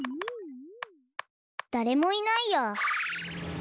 だれもいないや。